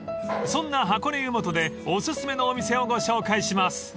［そんな箱根湯本でおすすめのお店をご紹介します］